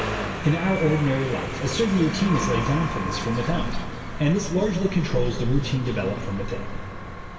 In our ordinary life a certain routine is laid down for us from without, and this largely controls the routine developed from within.